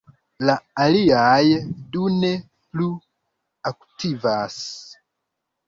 La aliaj du ne plu aktivas.